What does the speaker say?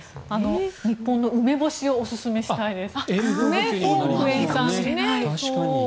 日本の梅干しをおすすめしたいです。